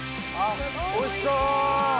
おいしそう！